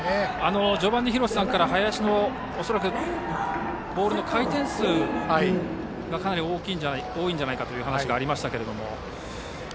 序盤に、廣瀬さんから恐らく林のボールは回転数がかなり多いんじゃないかという話がありましたけれども。